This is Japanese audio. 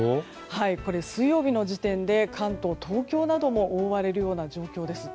これ、水曜日の時点で関東、東京なども覆われるような状況です。